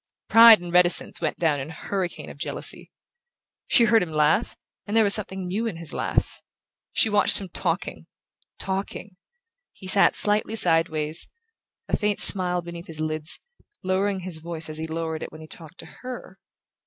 Pride and reticence went down in a hurricane of jealousy. She heard him laugh, and there was something new in his laugh...She watched him talking, talking...He sat slightly sideways, a faint smile beneath his lids, lowering his voice as he lowered it when he talked to her.